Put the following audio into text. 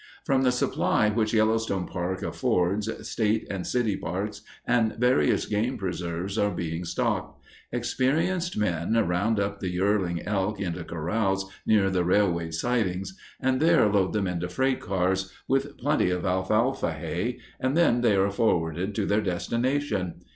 From the supply which Yellowstone Park affords, state and city parks and various game preserves are being stocked. Experienced men round up the yearling elk into corrals near the railway sidings, and there load them into freight cars, with plenty of alfalfa hay, and then they are forwarded to their destination.